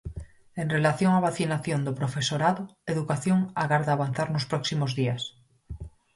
En relación á vacinación do profesorado, Educación agarda avanzar nos próximos días.